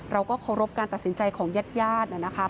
เราก็เคารพการตัดสินใจของญาติญาตินะครับ